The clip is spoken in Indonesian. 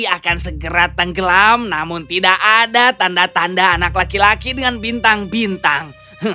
akan segera tenggelam namun tidak ada tanda tanda anak laki laki dengan bintang bintang